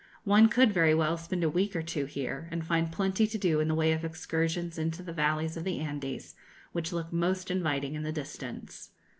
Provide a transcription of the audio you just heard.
One could very well spend a week or two here, and find plenty to do in the way of excursions into the valleys of the Andes, which look most inviting in the distance.